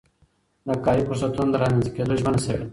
د کاري فرصتونو د رامنځته کيدو ژمنه سوي ده.